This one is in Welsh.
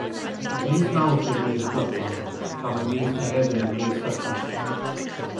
Mis Mawrth yw'r mis gwlypaf tra mai mis Mehefin yw'r mis sychaf.